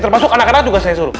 termasuk anak anak juga saya suruh